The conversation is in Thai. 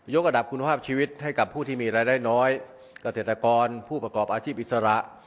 กระดับคุณภาพชีวิตให้กับผู้ที่มีรายได้น้อยเกษตรกรผู้ประกอบอาชีพอิสระ